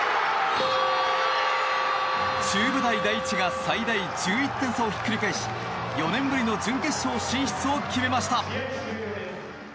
中部大第一が最大１１点差をひっくり返し４年ぶりの準決勝進出を決めました。